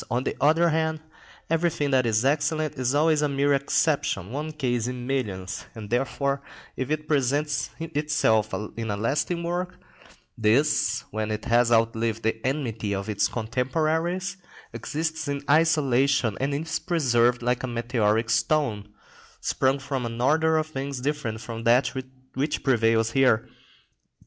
On the other hand, everything that is excellent is always a mere exception, one case in millions, and therefore, if it presents itself in a lasting work, this, when it has outlived the enmity of its contemporaries, exists in isolation, is preserved like a meteoric stone, sprung from an order of things different from that which prevails here.